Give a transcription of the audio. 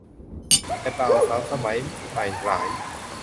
แต่บ่าวสาวสมัยใหม่หลาย